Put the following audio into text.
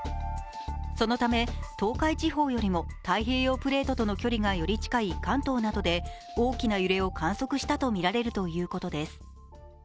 そのため東海地方よりも太平洋プレートとの距離がより近い関東などで大きな揺れを観測したとみられるということです。